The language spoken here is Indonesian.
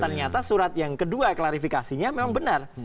dan ternyata surat yang kedua klarifikasinya memang benar